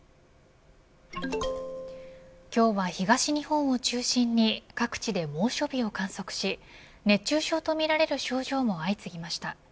今日は東日本を中心に各地で猛暑日を観測し熱中症とみられる症状も相次ぎました。